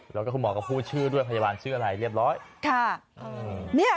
แล้วก็คุณหมอก็พูดชื่อด้วยพยาบาลชื่ออะไรเรียบร้อยค่ะ